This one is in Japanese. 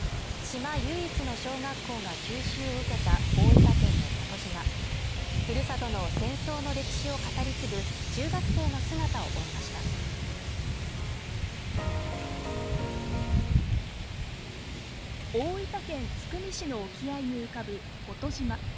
７８年前の夏島唯一の小学校が九州を受けた大分県の小島ふるさとの戦争の歴史を語り継ぐ中学生の姿を追いました大分県津久見市の沖合に浮かぶ保戸島